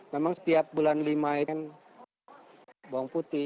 memang setiap bulan lima ini kan bawang putih